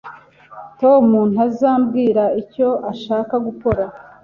Tom ntazambwira icyo ashaka gukora.